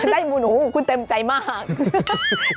ได้บุญโอ้โฮคุณเต็มใจมาก